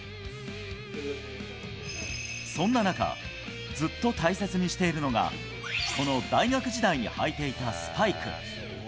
そんな中、ずっと大切にしているのが、この大学時代に履いていたスパイク。